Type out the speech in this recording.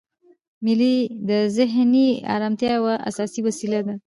مېلې د ذهني ارامتیا یوه اساسي وسیله ده.